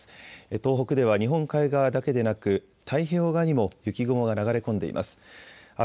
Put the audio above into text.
東北では日本海側だけでなく太平洋側にも雪雲が流れ込んでいます。